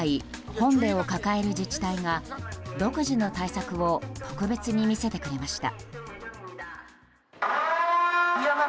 ホンデを抱える自治体が独自の対策を特別に見せてくれました。